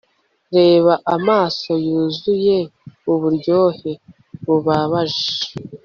Reba amaso yuzuye uburyohe bubabaje